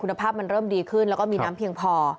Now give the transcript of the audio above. คุณภาพมันเริ่มดีขึ้นแล้วก็มีน้ำเพียงพอ